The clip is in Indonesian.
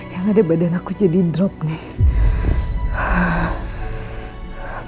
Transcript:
yang ada badan aku jadi drop nih